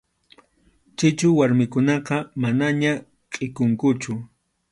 Chichu warmikunaqa manaña kʼikunkuchu.